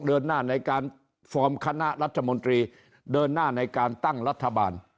เดินหน้าในการฟอร์มคณะรัฐมนตรีเดินหน้าในการตั้งรัฐบาล